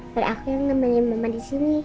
biar aku yang nemenin mama di sini